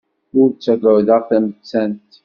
Ur ttagadeɣ tamettant.